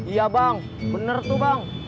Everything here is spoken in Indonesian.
iya bang bener tuh bang